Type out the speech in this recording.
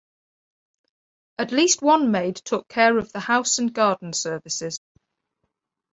At least one maid took care of the house and garden services.